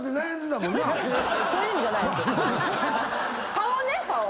顔ね顔。